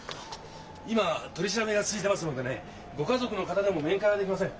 今取り調べが続いてますのでねご家族の方でも面会はできません。